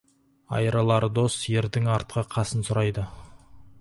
Айрылар дос ердің артқы қасын сұрайды.